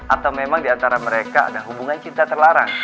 atau memang diantara mereka ada hubungan cinta terlarang